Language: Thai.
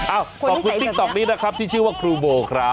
ขอบคุณติ๊กต๊อกนี้นะครับที่ชื่อว่าครูโบครับ